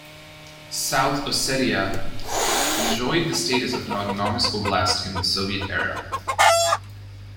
South Ossetia enjoyed the status of an autonomous oblast in the Soviet era.